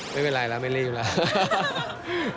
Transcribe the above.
ไม่เป็นไรแล้วไม่รีบแล้ว